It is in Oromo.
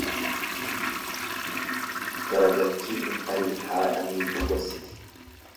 Garagalchii intalli haadha miixuu gorsiti.